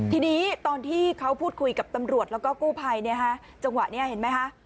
ทีนี้ตอนที่เขาพูดคุยกับตำรวจแล้วก็กู้ภัยจังหวะนี้เห็นไหมคะ